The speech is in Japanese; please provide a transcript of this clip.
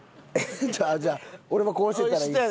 じゃあ俺もこうしてたらいい？